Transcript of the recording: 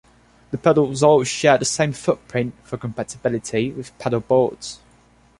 The pedals all share the same 'footprint', for compatibility with pedal boards.